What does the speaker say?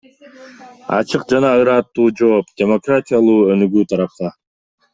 Ачык жана ыраттуу жооп – демократиялуу өнүгүү тарапка.